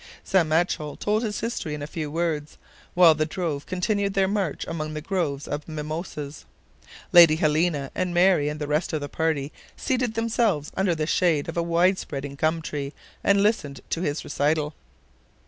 Sam Machell told his history in a few words, while the drove continued their march among the groves of mimosas. Lady Helena and Mary and the rest of the party seated themselves under the shade of a wide spreading gum tree, and listened to his recital.